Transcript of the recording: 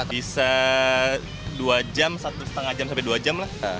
bisa dua jam satu setengah jam sampai dua jam lah